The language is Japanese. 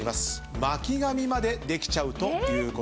巻き髪までできちゃうということなんです。